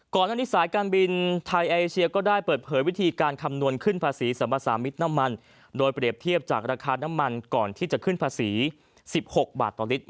ก่อนหน้านี้สายการบินไทยเอเชียก็ได้เปิดเผยวิธีการคำนวณขึ้นภาษีสัมภาษามิตรน้ำมันโดยเปรียบเทียบจากราคาน้ำมันก่อนที่จะขึ้นภาษี๑๖บาทต่อลิตร